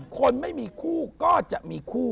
คนไม่มีคู่ก็จะมีคู่